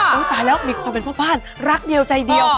ตายแล้วมีความเป็นพ่อบ้านรักเดียวใจเดียว